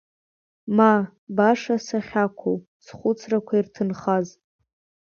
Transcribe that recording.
Ма, баша, сахьақәоу схәыцрақәа ирҭынхаз?